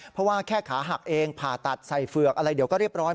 เพราะว่าแค่ขาหักเองผ่าตัดใส่เฝือกอะไรเดี๋ยวก็เรียบร้อย